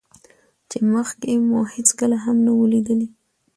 چې مخکې مو هېڅکله هم نه وو ليدلى.